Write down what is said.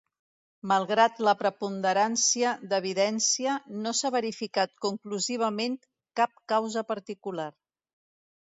Malgrat la preponderància d'evidència, no s'ha verificat conclusivament cap causa particular.